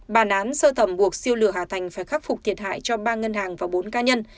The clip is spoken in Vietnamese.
bản án sơ thẩm buộc siêu lửa hà thành phải khắc phục thiệt hại cho ba ngân hàng và bốn cá nhân